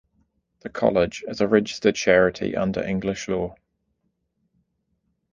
The college is a registered charity under English law.